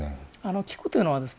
聞くというのはですね